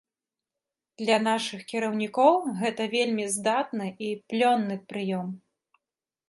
Для нашых кіраўнікоў гэта вельмі здатны і плённы прыём.